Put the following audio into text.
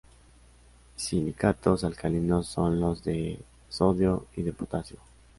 Silicatos alcalinos son los de sodio y de potasio.